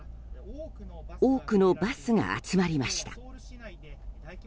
多くのバスが集まりました。